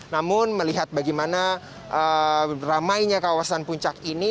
namun melihat bagaimana ramainya kawasan puncak ini